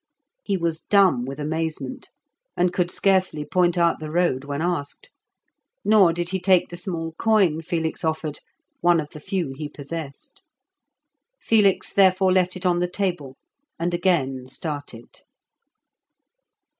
He was dumb with amazement, and could scarcely point out the road when asked; nor did he take the small coin Felix offered, one of the few he possessed. Felix therefore left it on the table and again started.